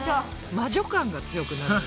魔女感が強くなるよね